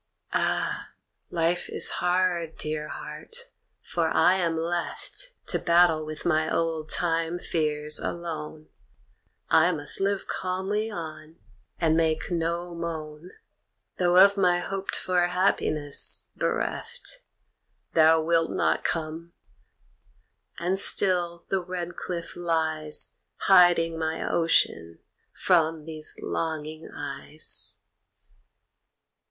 Ah! Life is hard, Dear Heart, for I am left To battle with my old time fears alone I must live calmly on, and make no moan Though of my hoped for happiness bereft. Thou wilt not come, and still the red cliff lies Hiding my ocean from these longing eyes.